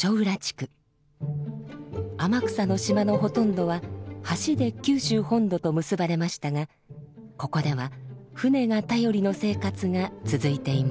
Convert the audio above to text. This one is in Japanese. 天草の島のほとんどは橋で九州本土と結ばれましたがここでは船が頼りの生活が続いています。